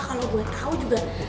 kalau gue tahu juga